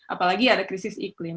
apalagi ada krisis iklim